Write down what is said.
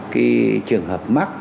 cái trường hợp mắc